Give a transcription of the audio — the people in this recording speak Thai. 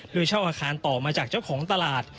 โดยเช่าอาคารต่อมาจากเจ้าของตลาด